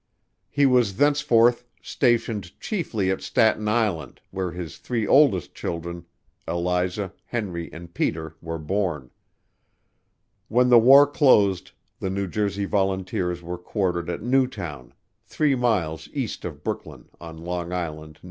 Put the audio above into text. He was thenceforth stationed chiefly at Staten Island, where his three oldest children Eliza, Henry and Peter were born. When the war closed the New Jersey Volunteers were quartered at Newtown, three miles east of Brooklyn, on Long Island, N.